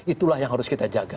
itulah yang harus kita jaga